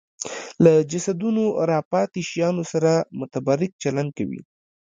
له جسدونو راپاتې شیانو سره متبرک چلند کوي